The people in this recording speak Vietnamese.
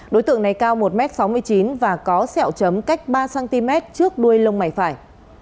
đối tượng này cao một m sáu mươi chín và có sẹo chấm cách ba cm trước đuôi lông mày phải